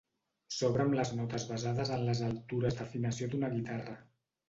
S'obre amb les notes basades en les altures d'afinació d'una guitarra.